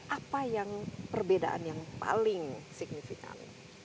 apa yang perbedaan yang paling signifikan